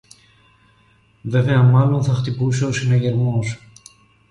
Βέβαια μάλλον θα χτυπούσε ο συναγερμός